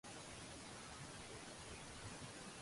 记得将啲肉走过油先攞去炒